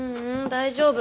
大丈夫。